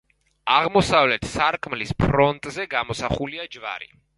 აღმოსავლეთ სარკმლის ფრონტონზე გამოსახულია ჯვარი.